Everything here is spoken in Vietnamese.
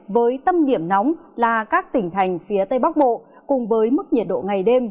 với tâm điểm nóng là các tỉnh thành phía tây bắc bộ cùng với mức nhiệt độ ngày đêm